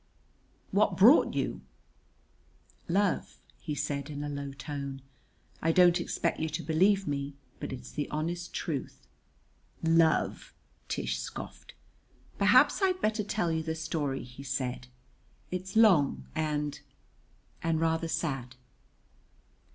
"What brought you?" "Love," he said, in a low tone. "I don't expect you to believe me, but it's the honest truth." "Love!" Tish scoffed. "Perhaps I'd better tell you the story," he said. "It's long and and rather sad."